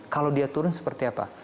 kalau dia turun seperti apa